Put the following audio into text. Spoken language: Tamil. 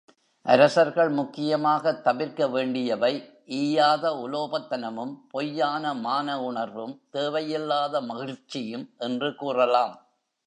அரசர்கள் முக்கியமாகத் தவிர்க்க வேண்டியவை ஈயாத உலோபத்தனமும், பொய்யான மான உணர்வும், தேவை இல்லாத மகிழ்ச்சியும் என்று கூறலாம்.